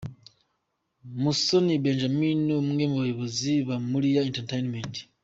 Musoni Benjamin umwe mu bayobozi ba Moriah Entertainment.